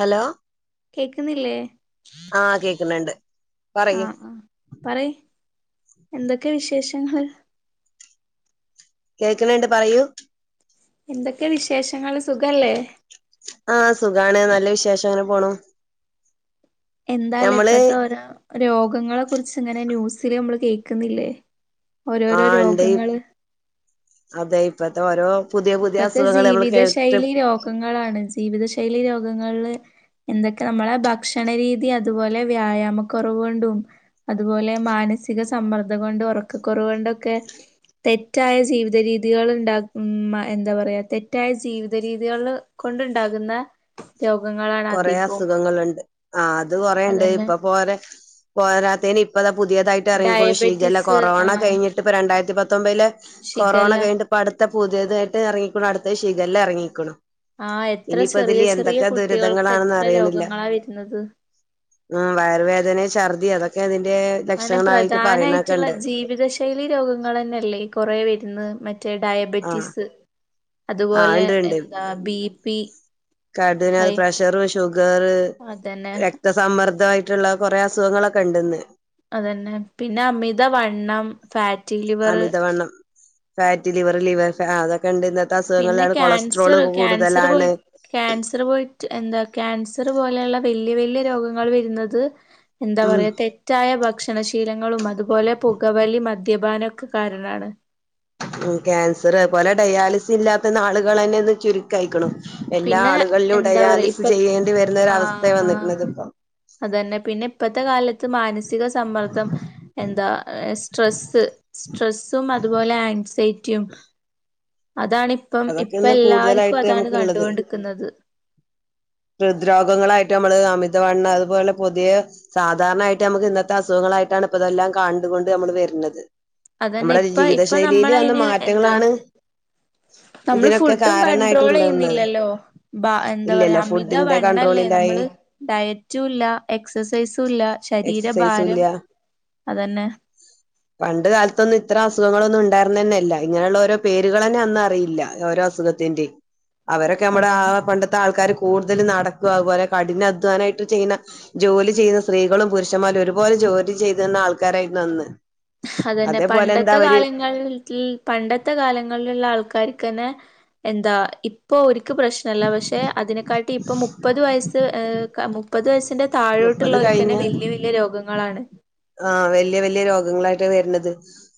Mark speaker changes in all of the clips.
Speaker 1: Hello
Speaker 2: കേക്കുന്നില്ലേ
Speaker 1: ആഹ് കേക്കുന്നുണ്ട് പറയൂ
Speaker 2: പറൈ എന്തൊക്കെയാ വിശേഷങ്ങള്
Speaker 1: കേക്കണണ്ട് പറയൂ
Speaker 2: എന്തൊക്കെ വിശേഷങ്ങൾ സുഖല്ലേ
Speaker 1: ആഹ് സുഖാണ് നല്ല വിശേഷം അങ്ങനെ പോണൂ
Speaker 2: എന്താലെ ഇപ്പത്തെ ഓരോ രോഗങ്ങളെ കുറിച്ച് ഇങ്ങനെ ന്യൂസില് നമ്മള് കേൾക്കുന്നില്ലേ
Speaker 1: ആഹ് ഇണ്ടയ് അതെ ഇപ്പത്തെ ഓരോ പുതിയ പുതിയ
Speaker 2: ഇപ്പത്തെ
Speaker 1: അസുഖങ്ങള് നമ്മള് കേട്ടിട്ട്
Speaker 2: ജീവിതശൈലി രോഗങ്ങളാണ് ജീവിത ശൈലി രോഗങ്ങള് എന്തൊക്കെ നമ്മളെ ഭക്ഷണരീതി അതുപോലെ വ്യായാമക്കൊറവ് കൊണ്ടും അതുപോലെ മാനസിക സമ്മർദ്ദം കൊണ്ട് ഒറക്കക്കൊറവ് കൊണ്ടൊക്കെ തെറ്റായ ജീവിത രീതികൾ ഇണ്ടാക്കുന്ന എന്താ പറയാ തെറ്റായ ജീവിത രീതികൾ കൊണ്ടുണ്ടാകുന്ന രോഗങ്ങളാണ്
Speaker 1: കൊറേ
Speaker 2: അധികവും
Speaker 1: അസുഖങ്ങള്ണ്ട് ആഹ് അത് കൊറേണ്ട്
Speaker 2: അതന്നെ
Speaker 1: ഇപ്പൊ പോരെ പോരാത്തേന് ഇപ്പതാ പുതിയതായിട്ട് എറങ്ങിക്ക്ണു ശീകല്ല
Speaker 2: ഡയബറ്റിസ്
Speaker 1: കൊറോണ
Speaker 2: ആഹ്
Speaker 1: കഴിഞ്ഞിട്ട് ഇപ്പ രണ്ടായിരത്തി പത്തൊമ്പതിലെ കൊറോണ
Speaker 2: ഷിഗല്ല
Speaker 1: കഴി അപ്പ അടുത്ത പുതിയതായിട്ട് എറങ്ങിക്ക്ണു അടുത്ത ശിഖല്ല എറങ്ങിക്കണു.
Speaker 2: ആഹ് എത്ര
Speaker 1: ഇനിയിപ്പോ
Speaker 2: ചെറിയ
Speaker 1: ഇതില്
Speaker 2: ചെറിയ
Speaker 1: എന്തൊക്കാ ദൂര
Speaker 2: കുട്ടികൾക്ക്
Speaker 1: ന്താണ് എന്ന
Speaker 2: എത്ര
Speaker 1: അറീണില്ല
Speaker 2: രോഗങ്ങളാ വരുന്നത്
Speaker 1: അഹ് വയറ് വേദന ഛർദി അതൊക്കെ അതിന്റെ
Speaker 2: അങ്ങനെ
Speaker 1: ലക്ഷണായിട്ട് പറയണൊക്കെ
Speaker 2: പ്രധാനായിട്ടുള്ള
Speaker 1: ഇണ്ട്
Speaker 2: ജീവിതശൈലി രോഗങ്ങൾ തന്നെയല്ലേ കുറെ വരുന്ന് മറ്റേ
Speaker 1: ആഹ്
Speaker 2: ഡയബറ്റീസ്
Speaker 1: ആഹ്
Speaker 2: അതുപോലെ
Speaker 1: ഇണ്ട്
Speaker 2: എന്താ ബി പി
Speaker 1: കട
Speaker 2: ഹൈ
Speaker 1: പ്രഷറ് ഷുഗർ
Speaker 2: അതന്നെ
Speaker 1: രക്ത സമ്മർദ്ദമായിട്ടുള്ള കൊറെ അസുഖങ്ങളൊക്കെ ഇണ്ട്ന്ന്.
Speaker 2: അതന്നെ പിന്നെ അമിതവണ്ണം. ഫാറ്റി ലിവർ
Speaker 1: അമിതവണ്ണം ഫാറ്റ് ലിവർ ലിവർ അതൊക്കെ ഇണ്ട് ഇന്ന്
Speaker 2: പിന്നെ
Speaker 1: അസുഖങ്ങളിലാണ് കൊളസ്ട്രോൾ
Speaker 2: ക്യാൻസർ ക്യാൻസർ പോയി
Speaker 1: കൂടുതലാണ്.
Speaker 2: ക്യാൻസർ പോയിട്ട് എന്താ ക്യാൻസർ പോലെയുള്ള വല്യ വല്യ രോഗങ്ങൾ വരുന്നത് എന്താ
Speaker 1: ഉം
Speaker 2: പറയ ത തെറ്റായ ഭക്ഷണശീലങ്ങളും അതുപോലെ പുകവലി മദ്യപാനൊക്കെ കാരണാണ്.
Speaker 1: ഉം ക്യാൻസർ അതുപോലെ ഡയാലിസി ഇല്ലാത്ത നാളുകൾ തന്നെന്ന് ചരു കായിക്ക്ണ് എല്ലാ
Speaker 2: പിന്നെ
Speaker 1: ആളുകളിലും
Speaker 2: എന്താ പറയാ ഇപ്പ
Speaker 1: ഡയാലിസ് ചെയ്യേണ്ടി വരുന്ന ഒര
Speaker 2: ആഹ്
Speaker 1: അവസ്ഥയ
Speaker 2: ആഹ്
Speaker 1: വന്ന്ക്ക്ണ് ഇപ്പൊ
Speaker 2: അതന്നെ പിന്നെ ഇപ്പത്തെ കാലത്ത് മാനസിക സമ്മർദ്ദം. എന്താ സ്ട്രെസ്സ് സ്ട്രെസ്സും അതുപോലെ ആൻസൈറ്റിയും. അതാണ് ഇപ്പം
Speaker 1: അതൊക്കെ
Speaker 2: ഇപ്പ
Speaker 1: ഇന്ന്
Speaker 2: എല്ലാർക്കും
Speaker 1: കൂടുതലായിട്ട്
Speaker 2: അതാണ്
Speaker 1: നമുക്കുള്ളത്
Speaker 2: കണ്ടുകൊണ്ടിക്കുന്നത്.
Speaker 1: ഹൃദ്രോഗങ്ങളായിട്ട് നമ്മള് അമിതവണ് അതുപോലെ പുതിയ സാധാരണായിട്ട് നമുക്ക് ഇന്നത്തെ അസുഖങ്ങളായിട്ടാണ് ഇപ്പ അതെല്ലാം കണ്ടു കൊണ്ട് നമ്മള് വരുന്നത്.
Speaker 2: അതന്നെ
Speaker 1: നമ്മുടെ ഒരു
Speaker 2: ഇപ്പ
Speaker 1: ജീവിത
Speaker 2: ഇപ്പൊ
Speaker 1: ശൈലിയിയില് വന്ന
Speaker 2: നമ്മളയിന് എന്താ
Speaker 1: മാറ്റങ്ങളാണ്.
Speaker 2: നമ്മള്
Speaker 1: ഇതിനൊക്കെ
Speaker 2: ഫുഡും കൺണ്ട്രോൾ
Speaker 1: കാരണായിട്ടുള്ളത്
Speaker 2: ചെയ്യുന്നില്ലല്ലോ എന്താ
Speaker 1: ഇല്ലല്ല
Speaker 2: പറയാമ്മ മിതാ
Speaker 1: ഫുഡിന്റെ
Speaker 2: വണ്ണല്ലേ
Speaker 1: കൺട്രോളിലായി
Speaker 2: നമ്മള്. ഡയറ്റും ഇല്ല എക്സസൈസും ഇല്ല
Speaker 1: എക്സസൈസും
Speaker 2: ശരീരഭാരം
Speaker 1: ഇല്ല
Speaker 2: അതന്നെ. [inaudible]
Speaker 1: പണ്ട് കാലത്തൊന്നും ഇത്രം അസുഖങ്ങളൊന്നും ഉണ്ടായിരുന്ന തന്നെയ അല്ല ഇങ്ങനെയുള്ള ഓരോ പേരുകൾന്നെ അന്ന അറിയില്ലഓരോ അസുഖ ത്തിന്റിം അവരൊക്കെ നമ്മടെ
Speaker 2: അതന്നെ
Speaker 1: ആഹ് പണ്ടത്തെ ആൾക്കാർ കൂടുതലും നടക്ക അതുപോലെ കഠിന അധ്വാനായിട്ട് ചെയ്യുന്ന ജോലി ചെയ്തിരുന്ന സ്ത്രീകളും പുരുഷന്മാരും ഒരുപോലെ ജോലി ചെയ്തന്ന ആൾക്കാരായിട്ട് അന്ന്.
Speaker 2: അതന്നെ
Speaker 1: അതേപോലെ എന്താ
Speaker 2: പണ്ടത്തെ
Speaker 1: അവര്
Speaker 2: കാലങ്ങളിൽ വീട്ടിൽ പണ്ടത്തെ കാലങ്ങളിലുള്ള ആൾക്കാർക്ക്ന്നെ എന്താ ഇ ഇപ്പൊ ഒര്ക്ക് പ്രശ്നല്ല പക്ഷെ അതിനെക്കാട്ടി ഇപ്പൊ മുപ്പത് വയസ്സ് ആഹ് മുപ്പത് പ്പത് വയസിന്റെ
Speaker 1: മുപ്പത്
Speaker 2: താഴോട്ടുള്ളവര്ക്കെന്നെ
Speaker 1: കഴിഞ്ഞ
Speaker 2: വെല്ല്യെ വെല്ല്യെ രോഗങ്ങളാണ്.
Speaker 1: ആഹ് വെല്ല്യെ വെല്ല്യെ രോഗങ്ങളായിട്ട് വെര്ണത്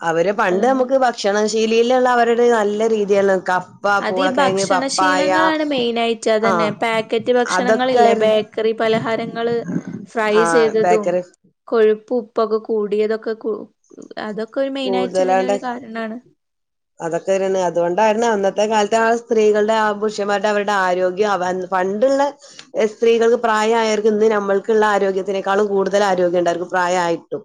Speaker 1: അവര് പണ്ട്
Speaker 2: അതന്നെ
Speaker 1: അമുക്ക് ഭ ക്ഷണ ശീലിയില്ള്ള അവരുടെ നല്ല രീതിയാണ് കപ്
Speaker 2: അത് ഈ ഭക്ഷണശീലങ്ങളാണ് മെയിനായിട്ട് അതന്നെ
Speaker 1: ആഹ്
Speaker 2: പാക്കറ്റ്
Speaker 1: അതൊക്കെ
Speaker 2: ഭക്ഷണങ്ങളില്ലേ
Speaker 1: ആയിരുന്നു
Speaker 2: ബേക്ക് ക്കറി പലഹാരങ്ങള് ഫ്രൈ
Speaker 1: ആഹ്
Speaker 2: ചെയ്തതും
Speaker 1: ബേക്കറി
Speaker 2: കൊഴുപ്പ് ഉപ്പൊക്കെ കൂടിയതൊക്കെ കു അതൊക്കെ ഒരു മെയിനായിട്ട്
Speaker 1: കൂടുതലാണ്ട്
Speaker 2: ഇതിനൊരു കാരണാണ്.
Speaker 1: അതൊക്കെ വെര്ണ് അതുകൊണ്ടായ്ര്ണ് അന്നത്തെ കാൽത്തെ ആ സ്ത്രീകൾടെ ആ പുര്ഷ്യമ്മാര്ടെ അവരുടെ ആരോഗ്യം അവ അന്ന് പണ്ട്ള്ളെ സ്ത്രീകൾക്ക് പ്രായായര്ക്കും ഇന്ന് നമ്മൾക്ക്ള്ള ആരോഗ്യത്തിനേക്കാളും കൂടുതലാരോഗ്യണ്ടവർക്ക് പ്രായായിട്ടും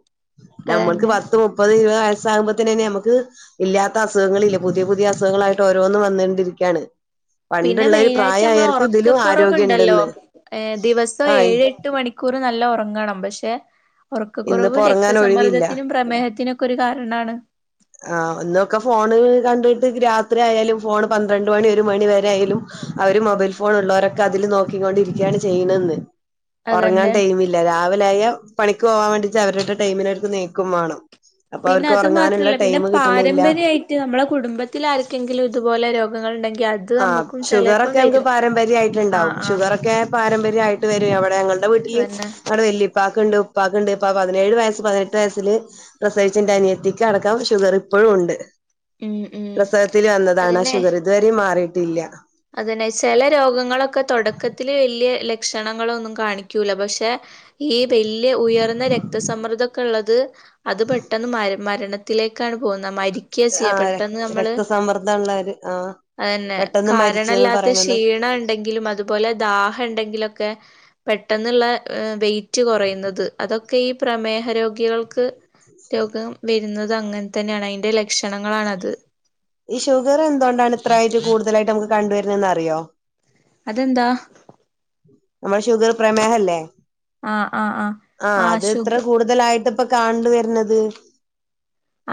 Speaker 1: നമ്മൾക്ക്
Speaker 2: അതന്നെ
Speaker 1: പത്ത് മുപ്പത് ഇരുപത് വയസാകുമ്പോത്ത്നെന്നെ ഞമ്മക്ക് ഇല്ല്യാ ത്ത അസുഖങ്ങളില്ല്യ. പുതിയ പുതിയ അസുഖങ്ങളായിട്ട് ഓരോന്നും വന്നുകൊണ്ടിരിക്ക്യാണ്.
Speaker 2: പിന്നെ മെയിനായിട്ടമ്മളെ
Speaker 1: ആരോഗ്യം
Speaker 2: ഒറക്കക്കൊറവ്ണ്ടല്ലോ
Speaker 1: ഉണ്ടെന്ന്
Speaker 2: ഏഹ് ദിവസം
Speaker 1: ആഹ്
Speaker 2: ഏഴ് എട്ട് മണി. ക്കൂറ് നല്ല ഒറങ്ങണം, പക്ഷെ
Speaker 1: ഇന്നിപ്പോ
Speaker 2: ഉറക്കക്കുറവും
Speaker 1: ഉറങ്ങാൻ ഒഴിവില്ല
Speaker 2: രക്തസമ്മർദ്ദത്തിനും പ്രമേഹത്തിനും ഒരു കാരണാണ്.
Speaker 1: ആഹ് ഇന്നൊക്കെ ഫോണ് കണ്ടിട്ട് രാത്രി ആയാലും ഫോണ് പന്ത്രണ്ട് മണി ഒരു മണി വെരെ ആയാലും അവര് മൊബൈൽ ഫോണ്ള്ളവരൊക്കെ അതില് നോക്കികൊണ്ടിരിക്കയാണ് ചെയ്യ്ണന്ന് ഒറങ്ങാൻ
Speaker 2: അതന്നെ
Speaker 1: ടൈമില്ല, രാവിലായ പണിക്ക് പോവാൻ വേണ്ടിട്ട് അവരുടെ ടൈമിന് അവർക്ക് നീക്കും വേണം അപ്പ
Speaker 2: പിന്നെ
Speaker 1: അവർക്ക്
Speaker 2: അത്
Speaker 1: ഒറങ്ങാന്ള്ളെ
Speaker 2: മാത്രല്ല പിന്നെ പാരമ്പര്യായിട്ട് നമ്മളെ കുടുംബത്തിലാര്ക്കെങ്കിലും ഇതുപോലെ രോഗങ്ങൾണ്ടെങ്കി അ
Speaker 1: ആഹ്, ഷുഗറൊക്കെ നമുക്ക്
Speaker 2: ആഹ്
Speaker 1: പാരമ്പര്യായിട്ട്ണ്ടാവും
Speaker 2: ആഹ്
Speaker 1: ഷുഗറൊക്കെ പാരമ്പര്യായിട്ട് വരും അവടെ ഞങ്ങൾടെ വീട്ടില്
Speaker 2: അതന്നെ
Speaker 1: അവിടെ വെല്ലി പ്പാക്ക്ണ്ട് ഉപ്പാക്ക്ണ്ട് ഇപ്പ പതിനേഴ് വയസ്സ് പതിനെട്ട് വയസില് പ്രസവിച്ച ന്റെ അനിയത്തിക്ക് അടക്കം ഷുഗർ ഇപ്പഴുംണ്ട്.
Speaker 2: ഉം ഉം
Speaker 1: പ്രസവത്തില് വന്നതാണാ
Speaker 2: അതന്നെ
Speaker 1: ഷുഗറ് ഇതുവരെയും മാറിയിട്ടില്ല്യ.
Speaker 2: അതന്നെ ചെല രോഗങ്ങളൊക്കെ തൊടക്കത്തില് വെല്ല്യെ ലക്ഷണങ്ങളൊന്നും കാണിക്കൂല പക്ഷെ ഈ ബെല്ല്യെ ഉയർന്ന രക്തസമ്മർദ്ദൊക്കെള്ളത് അത് പെട്ടെന്ന് മര മരണത്തിലേക്കാണ് പോകുന്നെ മരി ക്ക്യാ ചെയ്യ
Speaker 1: ആഹ്
Speaker 2: പെട്ടെന്ന് അമ്മള്
Speaker 1: രക്തസമ്മർദ്ദമുള്ളവര് ആഹ്
Speaker 2: അതെന്നെ
Speaker 1: പെട്ടെന്ന് മരിച്ചന്ന്
Speaker 2: കാരണല്ലാത്ത
Speaker 1: പറയണത്
Speaker 2: ക്ഷീണം ണ്ടെങ്കിലും അത് പോലെ ദാഹണ്ടെങ്കിലൊക്കെ പെട്ടെന്നുള്ള ഏയ് വെയിറ്റ് കൊറയുന്നത് അതൊ ക്കെ ഈ പ്രമേഹ രോഗികൾക്ക് രോഗം വെ രുന്നത് അങ്ങൻ തന്നെയാണ് അയ്ന്റെ ലക്ഷണങ്ങളാണത്.
Speaker 1: ഈ ഷുഗർ എന്തുകൊണ്ടാണ് ഇത്രായിട്ട് കൂടുതലായിട്ടമുക്ക് കണ്ടുവരുന്നെന്ന് അറിയോ
Speaker 2: അതെന്താ
Speaker 1: നമ്മളെ ഷുഗർ പ്രമേഹല്ലേ
Speaker 2: ആഹ് ആഹ്
Speaker 1: ആഹ് അത് ഇത്ര കൂടു തലായിട്ട ഇപ്പൊ കാണ്ട് വെരുന്നത്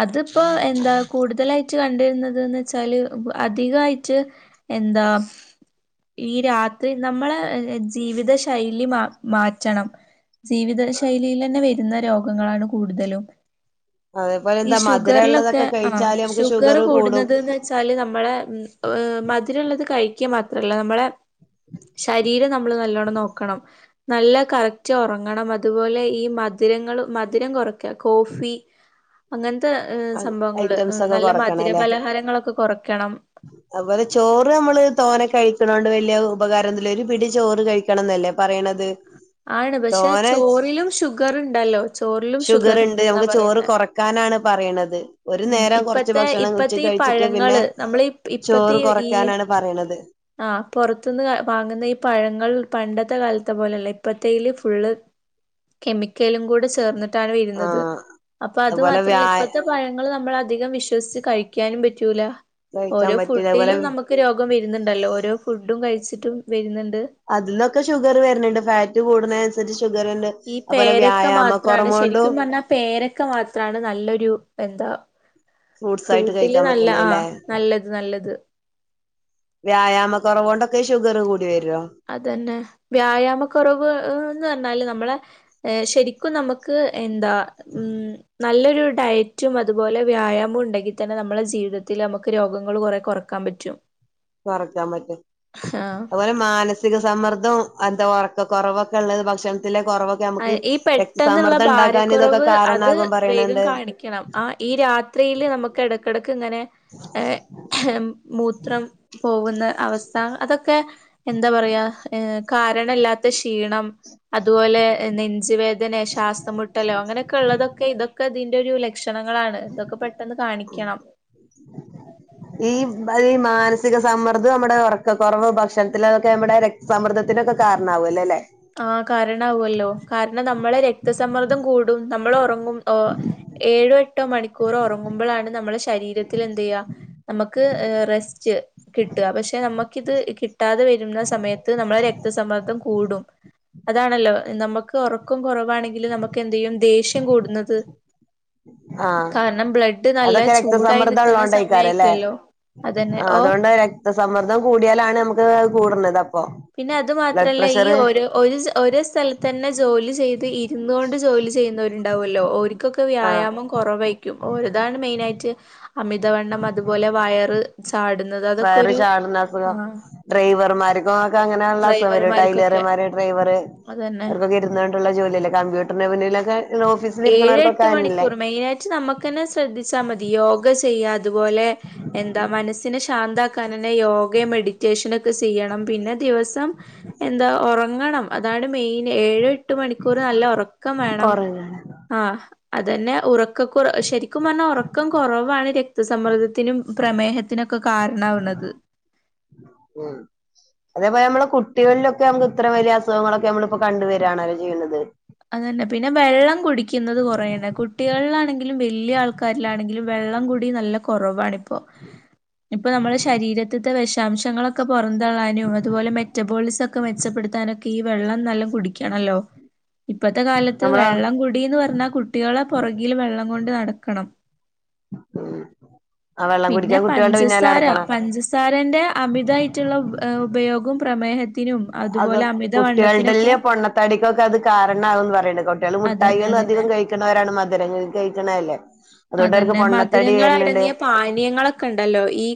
Speaker 2: അത്പ്പോ എന്താ കൂട്തലായിട്ട് കണ്ടുവെരുന്നതന്ന് വെച്ചാല് അധികായിട്ട് എന്താ ഈ രാത്രി നമ്മളെ ഏഹ് ജീവിത ശൈലി മാ മാറ്റണം ജീവിത ശൈലിയിലെന്നെ വരുന്ന രോഗങ്ങളാണ് കൂട്തലും
Speaker 1: അതേപോലെ എന്താ മധുരള്ളതൊക്കെ കഴിച്ചാല് നമുക്ക് ഷുഗറ് കൂടും.
Speaker 2: ച്ചാല് നമ്മളെ ഉം മധുരള്ളത് കഴിക്കാ മാത്രല്ല നമ്മളെ ശരീരം നമ്മള് നല്ലോണം നോക്കണം നല്ല കറക്റ്റ് ഒറങ്ങണം. അത്പോലെ ഈ മധുരങ്ങൾ മധുരം കൊറക്ക കോഫി അങ്ങൻത്തെ ഹ് സംഭവങ്ങള് ഉം
Speaker 1: ഐറ്റംസ് ഒക്കെ
Speaker 2: നല്ല
Speaker 1: കൊറക്കണം അല്ലേ
Speaker 2: മധുരപലഹാരങ്ങളൊക്കെ കൊറക്കണം
Speaker 1: അതുപോലെ ചോറ് അമ്മള് തോനെ കഴിക്ക്‌ണോണ്ട് വല്യെര് ഉപകാരം ഒന്നുല്ല ഒരു പിടി ചോറ് കഴി ക്കണംന്നല്ലേ പറയണത്
Speaker 2: ആണ് പക്ഷെ
Speaker 1: തോനെ
Speaker 2: ചോറിലും ഷുഗറ് ഇണ്ടല്ലോ ചോറിലും ഷുഗറ് ഇണ്ട്ന്നാ പറയുന്നെ
Speaker 1: ക്കാനാണ് പറയ്ണത് ഒരു
Speaker 2: ഉം
Speaker 1: നേരം കൊറച്ച്
Speaker 2: ഇപ്പത്തെ
Speaker 1: ഭക്ഷണം
Speaker 2: ഇപ്പത്തെ
Speaker 1: ഉച്ചക്ക്
Speaker 2: ഈ
Speaker 1: കഴിച്ചിട്ട് പിന്നെ
Speaker 2: പഴങ്ങള് നമ്മള് ഇപ്പത്തെ
Speaker 1: ചോറ്
Speaker 2: ഈ
Speaker 1: കൊറയ്ക്കാനാണ് പറേണത്
Speaker 2: ആഹ് പൊറത്ത്ന്ന് വാങ്ങുന്ന ഈ പഴങ്ങൾ പണ്ടത്തെ കാലത്തെ പോലെ അല്ല ഇപ്പത്തേല് ഫുള്ള് കെമിക്കലും കൂടെ ചേർന്ന്ട്ടാണ് വെരുന്നത്
Speaker 1: ആഹ്
Speaker 2: അപ്പൊ അത്
Speaker 1: അതുപോലെ വ്യാ
Speaker 2: മാത്രല്ല ഇപ്പഴത്തെ പഴ ങ്ങള് നമ്മള് അതികം വിശ്വസിച്ചു കഴിക്കാനും പറ്റൂല്ല
Speaker 1: കഴിക്കാൻ
Speaker 2: ഓരോ
Speaker 1: പറ്റൂല അതുപോലെ
Speaker 2: ഫുഡ്ഡിലും നമ്മക് ക്ക് രോഗം വെര്ന്ന്ണ്ടല്ലോ ഓരോ ഫുഡും കഴിച്ചിട്ടും വെര്ന്ന്ണ്ട്
Speaker 1: അതിൽന്നൊക്കെ ഷുഗറ് വെര്ന്ണ്ട് ഫാറ്റ് കൂടുന്നേന് അനുസരിച്ച് ഷുഗറ്ന്റെ
Speaker 2: ഈ
Speaker 1: അത്പോലെ
Speaker 2: പേരക്ക മാത്രാണ്
Speaker 1: വ്യായാമക്കൊറമോണ്ടും
Speaker 2: ശരിക്കും പറഞ്ഞാ പേരക്ക മാത്രാണ് നല്ലൊരു എന്താ
Speaker 1: ഫ്രൂട്ട്സ് ആയിട്ട്
Speaker 2: ഫ്രൂട്ടില്
Speaker 1: കഴിക്കാൻ
Speaker 2: നല്ല
Speaker 1: പറ്റണില്ലേ
Speaker 2: ആഹ് നല്ലത് നല്ലത്
Speaker 1: വ്യായാമ കൊറവോണ്ടൊക്കെ ഷുഗറ് കൂടി വെരോ
Speaker 2: അത് തന്നെ വ്യായാമ കുറവ് ന്ന് പറഞ്ഞാല് നമ്മളെ എഹ് ശെരി ക്കും നമ്മക്ക് എന്താ ഉം നല്ലൊരു ഡയ റ്റും അത്പോലെ വ്യായാമും ഉണ്ടെങ്കിതന്നെ നമ്മളെ ജീവിതത്തില് അമ്മക്ക് രോഗങ്ങള് കൊറേ കൊറക്കാം പറ്റും
Speaker 1: കൊറക്കാം പറ്റും
Speaker 2: ആഹ്
Speaker 1: അഹ്പോലെ മ് മാനസിക സമ്മർദ്ദം എന്ത ഒറക്ക കൊറവൊക്കെ ഇള്ളത് ഭക്ഷണത്തിലെ കൊറവൊ ക്കെ ഞമ്മക്ക്
Speaker 2: ഈ പെട്ടെന്നുള്ള
Speaker 1: രക്തസമ്മർദ്ദം ഇണ്ടാക്കാന് ഇതൊക്കെ
Speaker 2: ഭാരക്കുറവ് അത്
Speaker 1: കാരണാകും പറേണ്
Speaker 2: വേഗം
Speaker 1: ണ്ട്
Speaker 2: കാണിക്കണം ആ ഈ രാത്രിയില് നമ്മ് ക്ക്‌ എടക്കെടക്ക് ഇങ്ങനെ ഏ മൂത്രം പോകുന്ന അവസ് സ്ഥ അതൊക്കെ എന്താ പറയാ ഏ കാരണല്ലാത്ത ക്ഷീണം അതുപോലെ എഹ് നെഞ്ചുവേദനേ ശ്വാസമുട്ടലോ അങ്ങനെക്കെ ഇള്ളതൊക്കെ ഇതൊക്കെ ഇതിന്റെ ഒരു ലെ ക്ഷണങ്ങളാണ് ഇതൊക്കെ പെട്ടെന്ന് കാണിക്കണം
Speaker 1: ഉം ഉം ഈ ബ ല്ല ഈ മാനസിക സമ്മർദ്ദം നമ്മടെ ഒറക്ക ക്കൊറവ് ഭക്ഷണത്തിലെ അതൊക്കെ നമ്മടെ രക് സമ്മർദ്ദത്തിനൊക്കെ കാരണാവൊല്ലെല്ലേ
Speaker 2: ആഹ് കാരണാവൊല്ലോ കാരണം നമ്മളെ രക്തസമ്മർദ്ദം കൂടും നമ്മള് ഒറങ്ങ് ങ്ങും എഹ് ഏഴോ എട്ടോ മണിക്കൂർ ഒറങ്ങുമ്പളാണ് നമ്മളെ ശരീരത്തില് എന്തെയ്യാ നമ്മ്ക്ക് റെസ്റ്റ് കിട്ട്കാ പക്ഷെ നമ്മ ഇത് കിട്ടാതെ വെരുന്ന സമയത്ത് നമ്മളെ രക്തസമ്മർദ്ദം കൂടും അതാണല്ലോ നമ്മക്ക് ഒറക്കം കൊറവാണെങ്കില് നമ്മക്ക് എന്തെയ്യും ദേഷ്യം കൂടുന്നത്
Speaker 1: ആഹ്
Speaker 2: കാരണം ബ്ലഡ് നല്ല
Speaker 1: അതൊക്കെ
Speaker 2: ചൂടായി
Speaker 1: രക്തസമ്മർദ്ദം
Speaker 2: നിക്ക്‌ന്ന സമയം
Speaker 1: ഉള്ളോണ്ടേക്കാരം അല്ലേ
Speaker 2: ആയിക്കുവല്ലോ
Speaker 1: ആഹ് അതോണ്ട് അഹ് രക്തസമ്മർദ്ദം കൂടിയാലാണ് അമ്മ്ക്ക് അഹ് കൂട്ണ്ത് അപ്പൊ
Speaker 2: പിന്നെ അത്
Speaker 1: ബ്ലഡ്
Speaker 2: മാത്രല്ല ഈ
Speaker 1: പ്രഷർ
Speaker 2: ഒര് ഒരു ഒരേ സ്ഥലത്ത് തന്നെ ജോലി ചെയ്ത് ഇര്ന്ന് കൊണ്ട് ജോലി ചെയ്യ്ന്നവര് ഇണ്ടാവൊല്ലോ ഓര്ക്കൊക്കെ
Speaker 1: ആഹ്
Speaker 2: വ്യായാമം കൊ കൊറവേയ്ക്കും ഓരതാണ് മെയ്നായിറ്റ് അമിതവണ്ണം അത് പോലെ വയറ് ചാട്ന്ന
Speaker 1: വയറ് ചാട്ണ അസുഖം ഡ്രൈവർമാര്ക്കു ഒക്കെ അങ്ങനെ ആണല്ലോ അസുഖം വെരാ
Speaker 2: ഡ്രൈവർമാർക്കൊക്കെ
Speaker 1: ടൈലർമാര് ഡ്രൈവർ
Speaker 2: അതന്നെ
Speaker 1: അവർക്കൊക്കെ ഇര് ന്ന്ങ്ങാണ് ഇള്ളെ ജോലി അല്ലെ കമ്പ്യൂട്ടർന്റെ മുന്നിലൊക്കെ ഇത്‌ ഓഫീസ്
Speaker 2: ഏഴ് എട്ട് മണിക്കൂറ് മെയ്നായിറ്റ് നമ്മക്കെന്നെ ശ്രദ്ധിച്ചാമതി യോഗ ചെയ്യാ അ ത്പോലെ എന്താ മനസ്സിന് ശാന്ത ക്കാനെന്നെ യോഗയും മെഡിറ്റേഷന് ഒക്കെ ചെയ്യണം പിന്നെ ദിവസം എന്താ ഒറങ്ങണം അതാണ് മെയ്ന് ഏഴ് എട്ട് മണിക്കൂറ് നല്ല ഒറക്കം വേണം
Speaker 1: ഉറങ്ങാണ്
Speaker 2: ആഹ് അതന്നെ ഉറക്ക കുറവ് ശരിക്കും പറഞ്ഞാൽ ഉറക്കം കുറവാണ് രക്തസമ്മർദ്ദത്തിനും പ്രമേഹ ത്തിനൊക്കെ കാരണവ്ന്നത്
Speaker 1: ഹ് അതേപോലെ നമ്മള് കുട്ടികളിലൊക്കെ നമുക്ക് ഇത്ര വലിയ അസുഖങ്ങളൊക്കെ നമ്മളപ്പോ കണ്ടുവരാണല്ലോ ചെയ്യുന്നത്
Speaker 2: അത തന്നെ പിന്നെ വെള്ളം കുടിക്കുന്നത് കൊറേണേ കുട്ടികളിലാണെങ്കിലും വലിയ ആൾക്ക കാരിലാണെങ്കിലും വെള്ളം കുടി നല്ല കൊറവാണിപ്പോ ഇപ്പൊ നമ്മള് ശരീരത്തിത്തെ വിഷാംശങ്ങളൊ ഒക്കെ പുറന്തളാനും അതുപോലെ മെറ്റബോളിസ ഒക്കെ മെച്ചപ്പെടുത്താനൊക്കെ ഈ വെള്ളം നല്ല കുടിക്കണല്ലോ ഇപ്പത്തെ കാലത്ത്
Speaker 1: നമ്മള്
Speaker 2: വെള്ളം കുടിന്ന് പറഞ്ഞാ കുട്ടികളെ പുറകിൽ വെള്ളം കൊണ്ട് നടക്കണം
Speaker 1: ആ വെള്ളം
Speaker 2: പിന്നെ
Speaker 1: കുടിക്കാൻ കുട്ടികളുടെ പിന്നാലെ
Speaker 2: പഞ്ചസാര
Speaker 1: നടക്കണം
Speaker 2: പഞ്ചസ സാരന്റെ അമിതയിട്ടുള്ള ഉപ ഉപയോഗവും പ്രമേഹ ത്തിനും അതുപോലെ അമിതവണ്ണത്തിനൊക്കെ
Speaker 1: തടിക്കൊക്കെ അത് കാരണമാകുന്ന്‌ പറയ്ണ് കുട്ടികള്
Speaker 2: അതന്നെ
Speaker 1: മുട്ടായികള്
Speaker 2: അതന്നെ
Speaker 1: അധികം കൈ ക്ക്ണെരാണ് മധുരംങ്ങൾ കഴിക്കണല്ലേ അതുകൊണ്ട് അവർക്ക്
Speaker 2: അതന്നെ
Speaker 1: പൊണ്ണത്തടി
Speaker 2: മധുരങ്ങള്
Speaker 1: വരുന്നുണ്ട്
Speaker 2: അടങ്ങിയ പാനീയങ്ങളൊക്കെ ഇണ്ടല്ലോ ഈ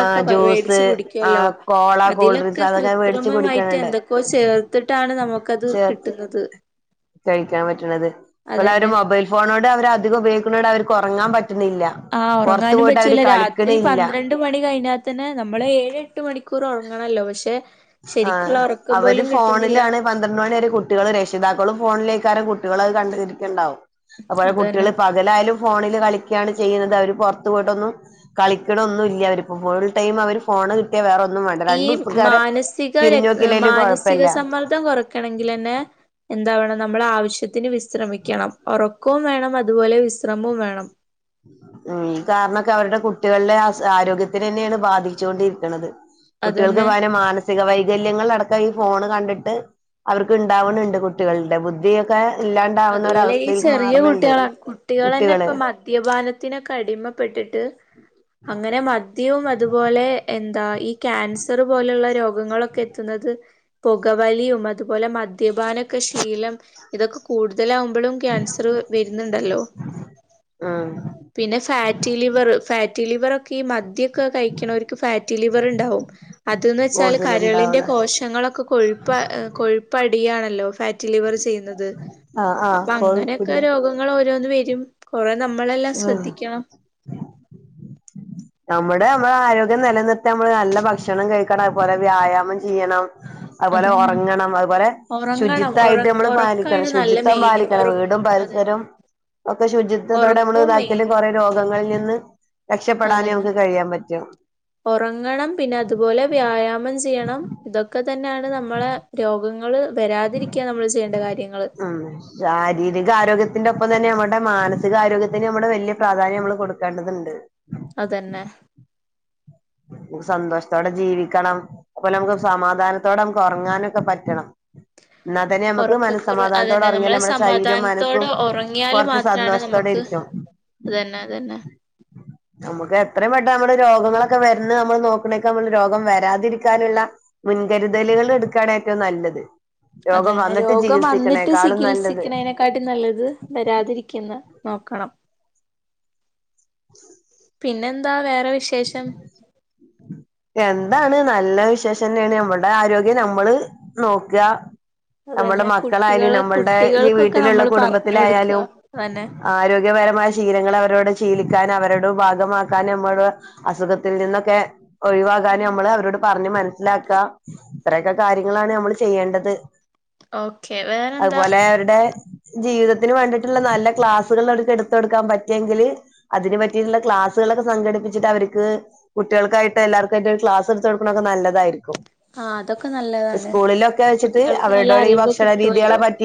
Speaker 1: ആ ജ്യൂസ്
Speaker 2: മേടിച്ച്
Speaker 1: ആ
Speaker 2: കുടിക്കുല്ലോ
Speaker 1: കോള
Speaker 2: അതിലൊക്കെ
Speaker 1: കൂൾഡ്രിങ്ക്സ് അതൊക്കെ മേടിച്ച്
Speaker 2: കൃത്രിമമായിട്ട്
Speaker 1: കുടിക്കണണ്ട്
Speaker 2: എന്തൊക്കോ ചേ ത്തിട്ടാണ് നമുക്കത്
Speaker 1: ചേ
Speaker 2: കിട്ടുന്നത്
Speaker 1: കഴിക്കാൻ പറ്റണത് അപ്പൊലെ
Speaker 2: അതന്നെ
Speaker 1: മൊബൈൽ ഫോണോട് അവരധികം ഉപയോഗിക്കുന്നണ്ട് അവർക്ക് ഉറങ്ങാൻ പറ്റുന്നില്ല
Speaker 2: ആ
Speaker 1: പൊറത്ത് പോയിട്ട് അവര് കളിക്ണില്ല
Speaker 2: ഏട്ട് മണി കഴിഞ്ഞാ തന്നെ നമ്മള് ഏഴ് എട്ട് മണിക്കൂർ ഉറങ്ങണല്ലോ പക്ഷെ
Speaker 1: ആ
Speaker 2: ശരിക്കുള്ള ഉറക്കം
Speaker 1: അവര്
Speaker 2: പോലും കിട്ടുന്നില്ല
Speaker 1: ഫോണിലാണ് പന്ത്രണ്ട് മണി വരെ കുട്ടികളും രക്ഷിതാക്കളും ഫോണിലേക്കരം കുട്ടികള് അത് കണ്ടിരിക്കുണ്ടാവും അപ്പോലെ
Speaker 2: അതന്നെ
Speaker 1: കുട്ടികള് പകലായാലും ഫോണില് കളിക്കയാണ് ചെയ്യുന്നത് അവര് പുറത്തു പോയിട്ടൊന്നും കളിക്കണ ഒന്നു ഇല്ല അവരിപ്പ ഫുൾ ടൈം അവര് ഫോണ് കിട്ടിയാ വേറെ ഒന്നും വേണ്ട രണ്ടു ദിവസകാരെ
Speaker 2: ഒക്കെ രക്ത മാനസിക സമ്മർദ്ദം കുറ ക്കനങ്കിൽന്നെ എന്താവണം നമ്മള ആവശ്യത്തിന് വിശ്രമിക്കണം ഒറ ഉറക്കവും വേണം അതുപോലെ വിശ്രമവും വേണം
Speaker 1: ഉം കാരണൊക്കെ അവരുടെ കുട്ടികളുടെ ആരോഗ്യത്തിന് തന്നെയാണ് ബാധിച്ചു കൊണ്ടിരിക്കണത് കുട്ടികൾക്ക്
Speaker 2: അതന്നെ
Speaker 1: വയ മാനസിക സിക വൈകല്യങ്ങൾ അടക്കം ഈ ഫോൺ കണ്ടിട്ട് അവർക്ക് ഉണ്ടാവുന്നുണ്ട് കുട്ടികളുടെ ബുദ്ധിയ ക്കെ ഇല്ലാണ്ട
Speaker 2: അതുപോലെ ഈ ചെറിയ കുട്ടികൾ കുട്ടികൾ തന്നെ
Speaker 1: കുട്ടികള്
Speaker 2: ഇപ്പ മദ്യപാനത്തിനൊക്കെ അടിമപ്പെട്ടു ട്ട് അങ്ങനെ മദ്യവും അതുപോലെ എന്താ ഈ ക്യാൻസർ പോലുള്ള രോഗങ്ങളൊക്കെ എതുന്നത് പുകവലിയും അതുപോലെ മദ്യപാനൊക്കെ ശീലം ഇതൊക്കെ കൂടു തലാവുമ്പോഴും ക്യാൻസർ വരുന്നുണ്ടല്ലോ
Speaker 1: ഉം
Speaker 2: പിന്നെ ഫാറ്റി ലിവർ ഫാറ്റി ലിവർ ഒക്കെ ഈ മദ്യ ക്കെ കൈകുനരെർക്കു ഫാറ്റി ലിവർ ഇണ്ടാവും അത് എന്ന് വെച്ചാൽ കരളിന്റെ
Speaker 1: കൂടുതലുണ്ടാവണ
Speaker 2: കോസ ങ്ങളൊക്കെ കൊഴുപ്പ് കൊഴുപ്പ് അടിയാണല്ലോ ഫാറ്റി ലിവർ ചെയ്യ ചെയുന്നത്
Speaker 1: ആഹ് ആഹ്
Speaker 2: അപ്പൊ അങ്ങനെയൊക്കെ
Speaker 1: കൊഴപ്പില്ല
Speaker 2: രോഗങ്ങൾ ഓരോന്ന് വരും കുറേ നമ്മളെല്ലാം
Speaker 1: ഉം
Speaker 2: ശ്രദ്ധിക്കണം
Speaker 1: നമ്മുടെ നമ്മൾ ആരോഗ്യം നിലനിർത്ത നമ്മള് നല്ല ഭക്ഷണം കഴിക്കണം അതുപോലെ വ്യായാമം ചെയ്യണം
Speaker 2: [inaudible]
Speaker 1: അതുപോലെ
Speaker 2: അതന്നെ
Speaker 1: ഉറങ്ങണം അതുപോലെ
Speaker 2: ഒറങ്ങണം
Speaker 1: ശുചിത്വായിട്ട് നമ്മള് പാലിക്കണം
Speaker 2: ഉറക്കാണ് നല്ല
Speaker 1: ശുചിത്വം
Speaker 2: മെയിന്
Speaker 1: പാലിക്കണം വീടും പരിസരവും
Speaker 2: [unintelligible]
Speaker 1: ഒക്കെ ശുചിത്വത്തോടെ നമ്മള്
Speaker 2: ഉറക്കവും
Speaker 1: ഇതാക്കിയാലും
Speaker 2: മെയിനും
Speaker 1: കൊറെ രോഗങ്ങളില് നിന്ന് രക്ഷപ്പെടാന് നമുക്ക് കഴിയാൻ പറ്റും
Speaker 2: ഒറങ്ങണം പിന്നെ അതുപോലെ വ്യായാമം ചെയ്യണം ഇതൊക്കെ തന്നെയാണ് നമ്മളെ രോഗങ്ങള് വരാതിരിക്കാൻ നമ്മള് ചെയ്യേണ്ട കാര്യങ്ങള്
Speaker 1: ആഹ് ശാരീരിക ആരോഗ്യത്തിന്റെ ഒപ്പം തന്നെ നമ്മടെ മാനസിക ആരോഗ്യത്തിന് നമ്മടെ വലിയ പ്രാധാന്യം നമ്മള് കൊട്ക്കേണ്ടതുണ്ട്
Speaker 2: അതന്നെ
Speaker 1: സന്തോഷത്തോടെ ജീവിക്കണം അതുപോലെ നമുക്ക് സമാധാനത്തോടെ നമുക്ക് ഒറങ്ങാനൊക്കെ പറ്റണം ഇന്നാ തന്നെ നമ്മുക്ക്
Speaker 2: ഉറക്കക്കുറവ്
Speaker 1: മനസ്സമാധാനത്തോട്
Speaker 2: അതന്നെ
Speaker 1: ഒറങ്ങിയാല്
Speaker 2: നമ്മള്
Speaker 1: നമ്മളെ ശരീരവും മനസ്സും
Speaker 2: സമാധാനത്തോടെ ഉറങ്ങിയാല്
Speaker 1: കൊറച്ച്
Speaker 2: മാത്രാണ്
Speaker 1: സന്തോഷത്തോടെ
Speaker 2: നമുക്ക്
Speaker 1: ഇരിക്കും
Speaker 2: അതന്നെ അതന്നെ
Speaker 1: നമുക്ക് എത്രയും പെട്ടന്ന് നമ്മുടെ രോഗങ്ങളൊ ക്കെ വരുന്ന് നമ്മള് നോക്കണൊക്കെ നമ്മള് രോഗം വരാതിരിക്കാന്ള്ള മുൻകരുതല്കള് എട്ക്കാണ് ഏറ്റവും നല്ലത്
Speaker 2: അത്
Speaker 1: രോഗം
Speaker 2: തന്നെ
Speaker 1: വന്നിട്ട്
Speaker 2: രോഗം വന്നിട്ട്
Speaker 1: ചികിത്സിക്കണേക്കാളും നല്ലത്
Speaker 2: ചികിത്സിക്ക്ണേനെക്കാ ട്ടിലും നല്ലത് വരാതിരിക്ക്ന്ന നോക്കണം പിന്നെന്താ വേറെ വിശേഷം
Speaker 1: എന്താണ് നല്ല വിശേഷന്ന്യാണ് നമ്മുടെ ആരോഗ്യം നമ്മള് നോക്കാ നമ്മളെ
Speaker 2: അതന്നെ
Speaker 1: മക്കളായാലും
Speaker 2: കുട്ടികള്
Speaker 1: നമ്മള്ടെ ഈ
Speaker 2: കുട്ടികൾക്കൊക്കെ
Speaker 1: വീട്ടില്ള്ള
Speaker 2: നമ്മള് പറഞ്ഞു കൊടുക്ക
Speaker 1: കുടുംബത്തിലായാലും
Speaker 2: അതന്നെ
Speaker 1: ആരോഗ്യപരമായ ശീലങ്ങള് അവരോട് ശീലിക്കാന് അവരോട് ഭാഗമാക്കാന് നമ്മള് അസുഖത്തില് നിന്നൊക്കെ ഒഴിവാകാന് നമ്മള് അവരോട് പറഞ്ഞ് മനസ്സിലാക്ക ഇത്രയൊക്കെ കാര്യങ്ങളാണ് നമ്മള് ചെയ്യേണ്ടത്
Speaker 2: ഓക്കെ വേറെന്താ
Speaker 1: അതുപോലെ അവര്ടെ ജീവിതത്തിന് വേണ്ടിയിട്ടുള്ള നല്ല ക്ലാസ്സുകള് അവർക്ക് എടുത്ത് കൊട്ക്കാൻ പറ്റുങ്കില് അതിനന് പറ്റിയിട്ട്ള്ള ക്ലാസ്സുകളൊക്കെ സംഘടിപ്പിച്ചിട്ട് അവർക്ക് കുട്ട്യേള്ക്കാ ഇപ്പ എല്ലാർക്കു ആയിട്ടൊര് ക്ലാസ് എട്ത്ത് കൊട്ക്ക്ണൊക്കെ നല്ലതായിരിക്കും
Speaker 2: ആഹ് അതൊക്കെ നല്ലതാണ്
Speaker 1: സ്കൂളിലൊക്കെ വെച്ചിട്ട്
Speaker 2: കുട്ടികൾക്ക് നല്ല
Speaker 1: അവരോട് ഈ
Speaker 2: അറിവ്
Speaker 1: ഭക്ഷണ രീതികളെ
Speaker 2: കിട്ടുവല്ലോ
Speaker 1: പറ്റി